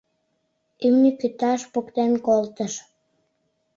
Имне кӱташ поктен колтыш.